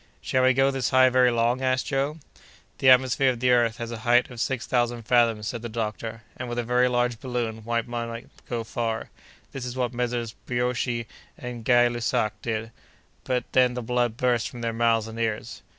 "Shall we go this high very long?" asked Joe. "The atmosphere of the earth has a height of six thousand fathoms," said the doctor; "and, with a very large balloon, one might go far. That is what Messrs. Brioschi and Gay Lussac did; but then the blood burst from their mouths and ears.